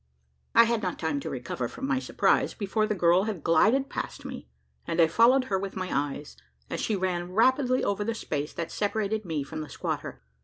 I had not time to recover from my surprise before the girl had glided past me; and I followed her with my eyes, as she ran rapidly over the space that separated me from the squatter.